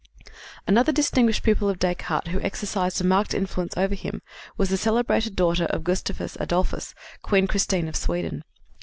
Another distinguished pupil of Descartes who exercised a marked influence over him was the celebrated daughter of Gustavus Adolphus, Queen Christine of Sweden.